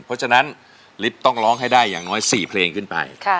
เพราะฉะนั้นฤทธิ์ต้องร้องให้ได้อย่างน้อย๔เพลงขึ้นไป